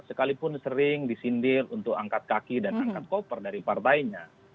sekalipun sering disindir untuk angkat kaki dan angkat koper dari partainya